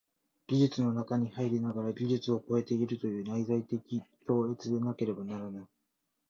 技術の中に入りながら技術を超えているという内在的超越でなければならぬ。